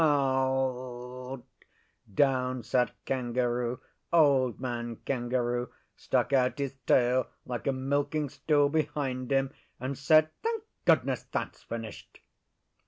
Down sat Kangaroo Old Man Kangaroo stuck out his tail like a milking stool behind him, and said, 'Thank goodness that's finished!